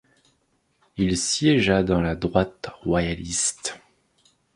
Il siégea dans la droite royaliste.